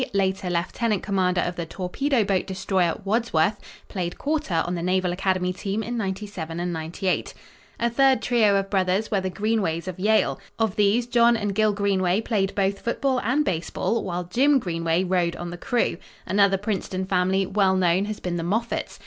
later Lieutenant Commander of the torpedoboat destroyer Wadsworth played quarter on the Naval Academy team in '97 and '98. A third trio of brothers were the Greenways of Yale. Of these, John and Gil Greenway played both football and baseball while Jim Greenway rowed on the crew. Another Princeton family, well known, has been the Moffats.